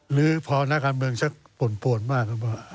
หรือพร้อมหน้าการเมืองจะป่นมาก